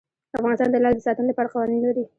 افغانستان د لعل د ساتنې لپاره قوانین لري.